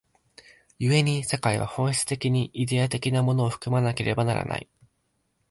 故に社会は本質的にイデヤ的なものを含まなければならない。